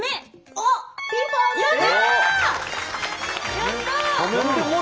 やった！